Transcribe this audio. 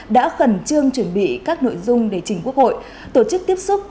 đã khẩn trương chuẩn bị các nội dung để chỉnh quốc hội tổ chức tiếp xúc